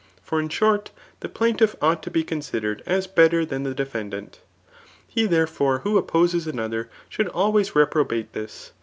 For in short the plaintiflF ought to be considered as better than the defendant. Qe therefore who opposes another, C^AF. XXIV. RHETORIC. 181 sbouid always reprobate this.